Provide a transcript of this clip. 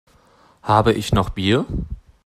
Habe ich noch Bier?